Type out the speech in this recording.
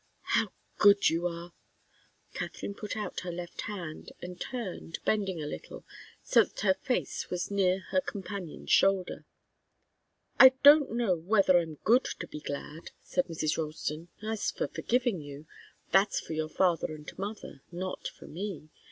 "How good you are!" Katharine put out her left hand, and turned, bending a little, so that her face was near her companion's shoulder. "I don't know whether I'm good to be glad," said Mrs. Ralston. "As for forgiving you that's for your father and mother, not for me.